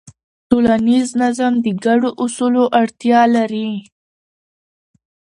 ټولنیز نظم د ګډو اصولو اړتیا لري.